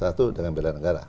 satu dengan bela negara